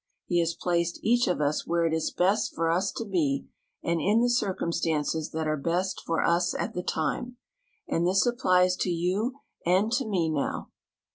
He has placed each of us where it is best for us to be, and in the circumstances that are best for us at the time, and this applies to you and to me now.